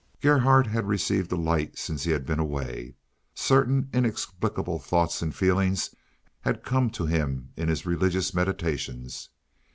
Gerhardt had received a light since he had been away. Certain inexplicable thoughts and feelings had come to him in his religious meditations.